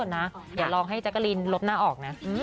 นะอย่าลองให้แจ๊กกะรีนลดหน้าออกนะ